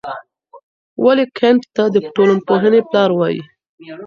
ولي کنت ته د ټولنپوهنې پلار وايي؟